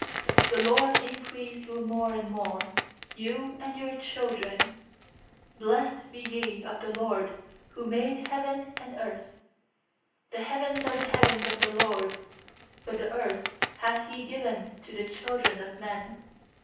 I4The LORD increase you more and more, You and your children. lfiBIessed be ye of the LORD, Who made heaven and earth. 16The heavens are the heavens of the LORD: But the earth hath He given to th< children of men.